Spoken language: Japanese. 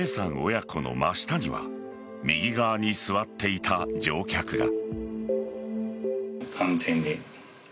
親子の真下には右側に座っていた乗客が。